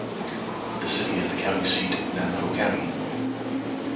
The city is the county seat of Navajo County.